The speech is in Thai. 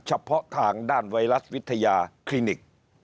เฉพาะทางด้านไวรัสวิทยาคลินิก